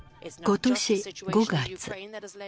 今年５月。